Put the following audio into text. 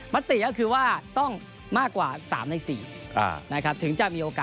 มติก็คือว่าต้องมากกว่า๓ใน๔ถึงจะมีโอกาส